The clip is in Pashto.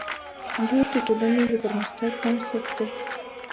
• لور د ټولنې د پرمختګ بنسټ دی.